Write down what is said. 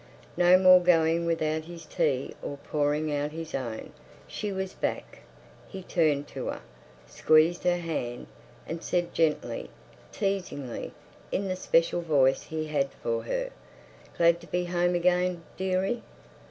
No more going without his tea or pouring out his own. She was back. He turned to her, squeezed her hand, and said gently, teasingly, in the "special" voice he had for her: "Glad to be home again, dearie?"